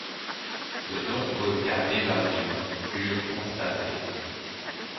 De nombreux cas d’évasion furent constatés.